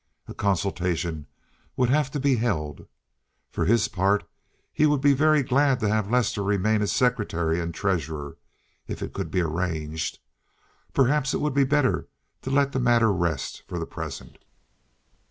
A consultation would have to be held. For his part, he would be very glad to have Lester remain as secretary and treasurer, if it could be arranged. Perhaps it would be better to let the matter rest for the present.